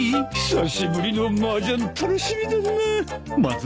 久しぶりのマージャン楽しみだなあ。